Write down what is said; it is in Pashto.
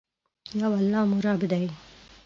یو الله مو رب دي.